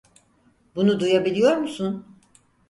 Bunu duyabiliyor musun?